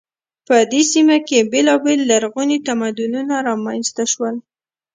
په دې سیمه کې بیلابیل لرغوني تمدنونه رامنځته شول.